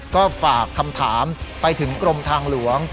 ก็ฝากคำถามไปถึงกรมทางหลวง